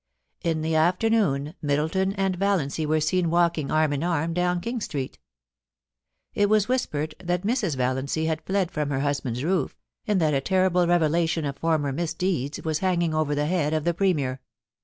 In the afternoon Middleton and Valiancy were seen walking arm in arm down King Street It was whispered that Mrs. Valiancy had fled from her husband's roof, and that a terrible revelation of former misdeeds was hanging over the head of the Premier.